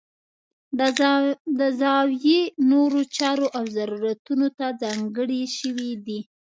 د زاویې نورو چارو او ضرورتونو ته ځانګړې شوي دي.